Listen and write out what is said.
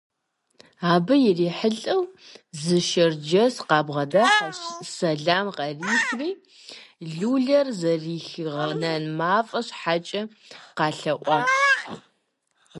Абы ирихьэлӀэу зы шэрджэс къабгъэдыхьэщ, сэлам къарихри, лулэр зэрыхигъэнэн мафӀэ щхьэкӀэ къайлъэӀуащ.